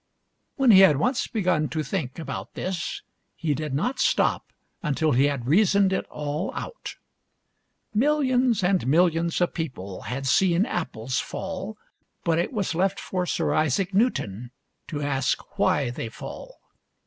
". When he had once begun to think about this he did not stop until he had reasoned it all out. Millions and millions of people had seen apples fall, but it was left for Sir Isaac Newton to ask why they fall.